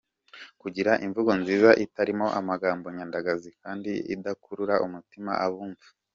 Kugira imvugo nziza itarimo amagambo nyandagazi kandi idakura umutima abumva.